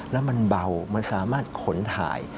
แล้วมันเบามันสามารถขนถ่าย